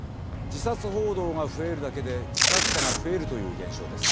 自殺報道が増えるだけで自殺者が増えるという現象です。